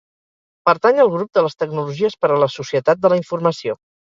Pertany al grup de les Tecnologies per a la Societat de la informació.